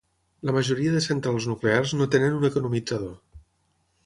La majoria de centrals nuclears no tenen un economitzador.